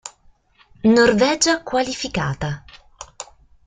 Norvegia qualificata.